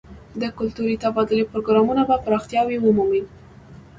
د کلتوري تبادلې پروګرامونه به پراختیا ومومي.